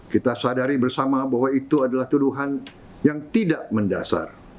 kita sadari bersama bahwa itu adalah tuduhan yang tidak mendasar